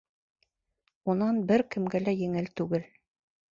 Унан бер кемгә лә еңел түгел.